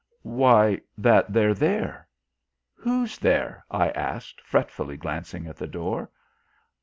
"Why, that they're there." "Who's there?" I asked fretfully, glancing at the door.